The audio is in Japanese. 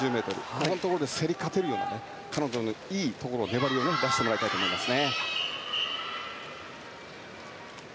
ここのところで競り勝てるような彼女のいい粘りを出してもらいたいと思います。